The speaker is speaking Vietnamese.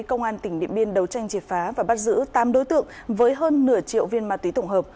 công an tỉnh điện biên đấu tranh triệt phá và bắt giữ tám đối tượng với hơn nửa triệu viên ma túy tổng hợp